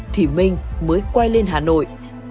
thì minh mới quay lên hà nội